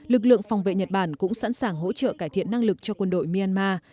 lực lượng phòng vệ nhật bản cũng sẵn sàng hỗ trợ cải thiện năng lực cho quân đội myanmar